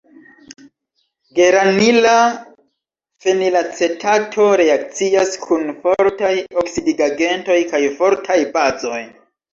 Geranila fenilacetato reakcias kun fortaj oksidigagentoj kaj fortaj bazoj.